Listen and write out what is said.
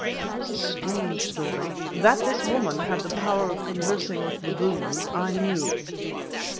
It was a strange story. That this woman had the power of conversing with baboons I knew.